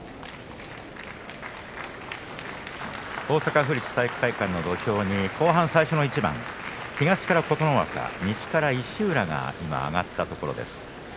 大阪府立体育会館の土俵に後半最初の一番東から琴ノ若、西から石浦が今上がったところです。